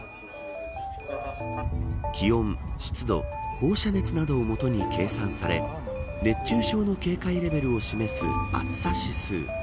気温、湿度、放射熱などを基に計算され熱中症の警戒レベルを示す暑さ指数。